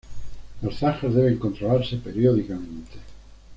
Las zanjas deben controlarse periódicamente.